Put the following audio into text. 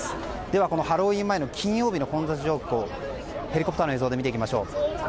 では、このハロウィーン前の金曜日の混雑状況をヘリコプターの映像で見ていきましょう。